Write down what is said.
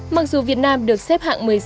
mặc dù việt nam được xếp hạng một mươi sáu